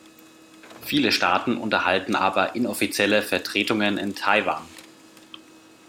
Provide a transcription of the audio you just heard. Viele Staaten unterhalten aber inoffizielle Vertretungen in Taiwan.